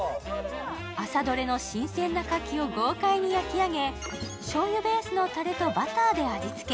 朝どれの新鮮なかきを豪快に焼き上げ、しょうゆベースのタレとバターで味つけ。